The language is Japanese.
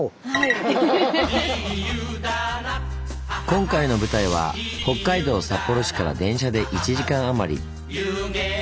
今回の舞台は北海道札幌市から電車で１時間余り。